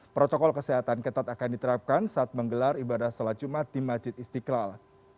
protokol kesehatan ketat akan diterapkan saat menggelar ibadah sholat jumat di masjid istiqlal